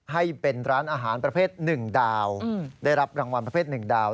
ให้เป็นร้านอาหารประเภท๑ดาวได้รับรางวัลประเภท๑ดาว